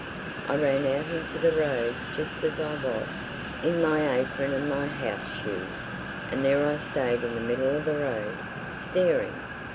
I ran out into the road just as I was, in my apron and my house shoes, and there I stayed in the middle of the road... staring.